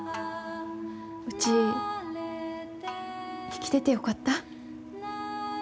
うち生きててよかった。